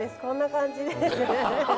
こんな感じです。